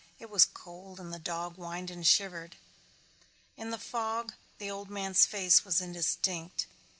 It was cold and the dog whined and shivered. In the fog the old man's face was indistinct.